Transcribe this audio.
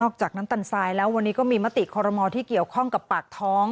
จากน้ำตันทรายแล้ววันนี้ก็มีมติคอรมอลที่เกี่ยวข้องกับปากท้อง